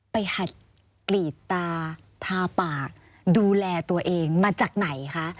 หัดกรีดตาทาปากดูแลตัวเองมาจากไหนคะ